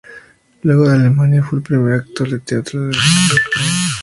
Luego en Alemania fue el primer actor del Teatro Real de Hannover.